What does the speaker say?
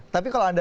tapi kalau anda